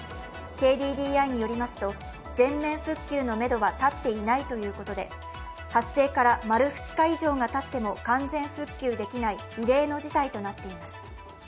ＫＤＤＩによりますと、全面復旧のめどは立っていないということで発生から丸２日以上がたっても完全復旧できない異例の事態となっています。